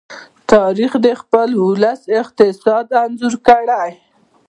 تاریخ د خپل ولس د اقتصاد انځور دی.